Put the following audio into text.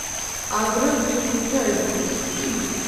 ადრე მთის ქუჩა ერქვა.